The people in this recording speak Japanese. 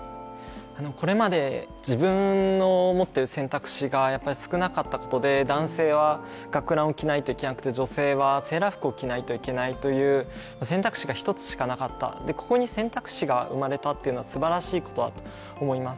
これまで自分の持っている選択肢が少なかったことで、男性は学ランを着ないといけなくて女性はセーラー服を着ないといけないという選択肢が一つしかなかったここに選択肢が生まれたということはすばらしいことだと思います。